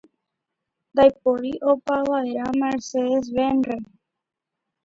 Ndaipóri opova'erã Mercedes Benz-re.